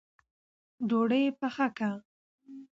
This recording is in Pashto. ډوډۍ پخه که